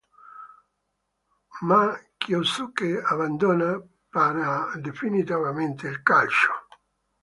Ma Kyosuke abbandona, pare definitivamente, il calcio.